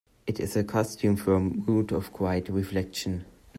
It is a costume for a mood of quiet reflection.